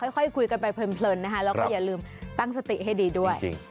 ค่อยคุยกันไปเพลินนะคะแล้วก็อย่าลืมตั้งสติให้ดีด้วย